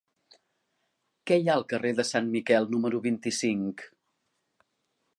Què hi ha al carrer de Sant Miquel número vint-i-cinc?